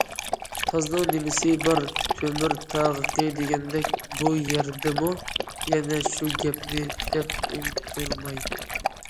« تازنىڭ نېمىسى بار، تۆمۈر تاغىقى» دېگەندەك بۇ يەردىمۇ يەنە شۇ گەپنى دەپ ئولتۇرماي.